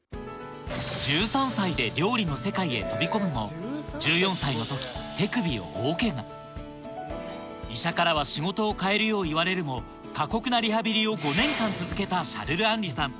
１３歳で料理の世界へ飛び込むも１４歳の時手首を大ケガ医者からは仕事を変えるよう言われるも過酷なリハビリを５年間続けたシャルルアンリさん